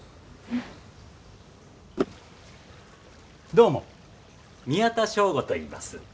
どうも宮田彰悟といいます。